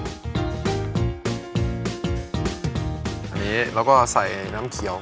อันนี้เราก็ใส่น้ำเขียว